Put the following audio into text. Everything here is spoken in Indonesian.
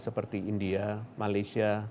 seperti india malaysia